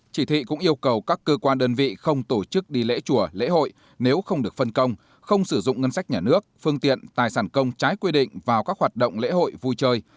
chỉ thị cũng yêu cầu các cơ quan đơn vị không tổ chức đi lễ chùa lễ hội nếu không được phân công không sử dụng ngân sách nhà nước phương tiện tài sản công trái quy định vào các hoạt động lễ hội vui chơi